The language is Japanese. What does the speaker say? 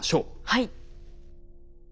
はい。